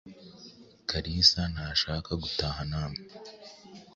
Kalisa ntashaka gutaha nawe.